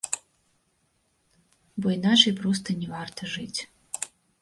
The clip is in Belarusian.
Бо іначай проста не варта жыць.